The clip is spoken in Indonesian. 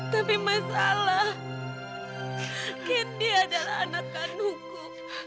tapi masalah candy adalah anak kanungku